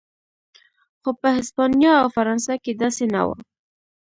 خو په هسپانیا او فرانسه کې داسې نه و.